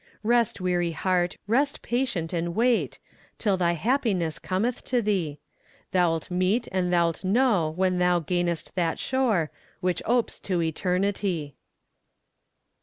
Rest weary heart, rest patient and wait, Till thy happiness cometh to thee; Thou'lt meet and thou'lt know when thou gainest that shore Which opes to eternity.